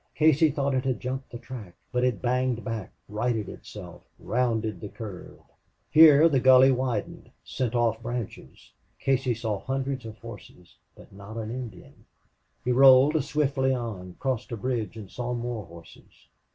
Casey thought it had jumped the track. But it banged back, righted itself, rounded the curve. Here the gully widened sent off branches. Casey saw hundreds of horses but not an Indian. He rolled swiftly on, crossed a bridge, and saw more horses.